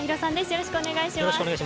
よろしくお願いします。